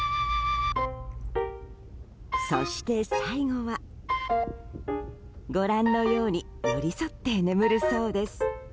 そして、最後はご覧のように寄り添って眠るそうです。